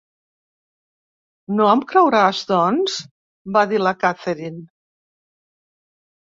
"No em creuràs doncs?", va dir la Catherine.